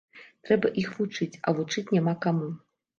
Трэба іх вучыць, а вучыць няма каму.